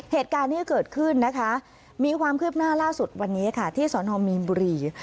เหตุการณ์นี้เกิดขึ้นนะคะมีความคืบหน้าล่าสุดวันนี้ค่ะที่สนมีนบุรี